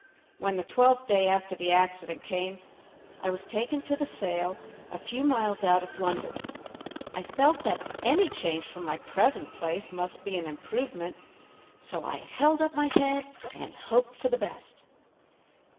When the twelfth day after the accident came, I was taken to the sale, a few miles out of London. I felt that any change from my present place must be an improvement, so I held up my head, and hoped for the best.